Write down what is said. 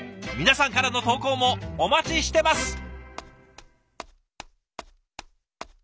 皆さんからの投稿もお待ちしてます。